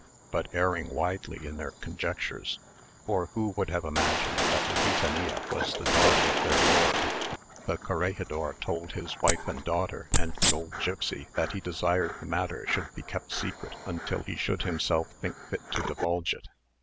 but erring widely in their conjectures; for who would have imagined that the gitanilla was the daughter of their lord? The corregidor told his wife and daughter and the old gipsy that he desired the matter should be kept secret until he should himself think fit to divulge it.